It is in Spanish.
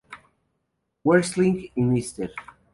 Wrestling y Mr.